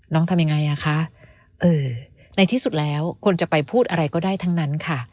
ทำยังไงอ่ะคะเออในที่สุดแล้วควรจะไปพูดอะไรก็ได้ทั้งนั้นค่ะ